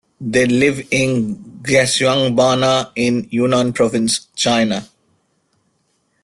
They live in Xishuangbanna in Yunnan province, China.